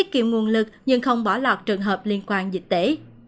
không bỏ lọt trường hợp liên quan dịch tễ